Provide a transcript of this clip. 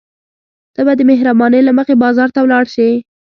ته به د مهربانۍ له مخې بازار ته ولاړ شې.